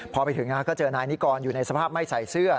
พอไปถึงก็เจอนายนิกรอยู่ในสภาพไม่ใส่เสื้อ